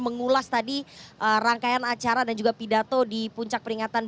mengulas tadi rangkaian acara dan juga pidato di puncak peringatan